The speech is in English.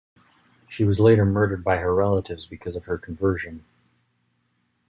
She was later murdered by her relatives because of her conversion.